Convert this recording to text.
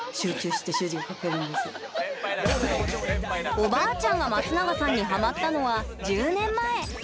おばあちゃんが松永さんにハマったのは１０年前。